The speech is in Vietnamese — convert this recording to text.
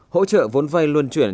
hỗ trợ vốn vay luân chuyển